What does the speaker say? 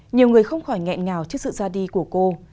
nhiều người không khỏi nghẹn ngào trước sự ra đi của cô